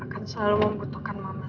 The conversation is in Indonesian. akan selalu membutuhkan mama sama papa